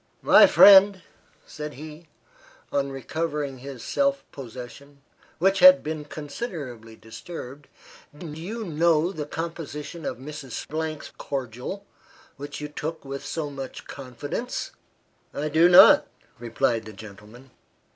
"My friend," said he, on recovering his self possession, which had been considerably disturbed, "Do you know the composition of Mrs. 's cordial, which you took with so much confidence?" "I do not!" replied the gentleman.